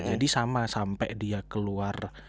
jadi sama sampai dia keluar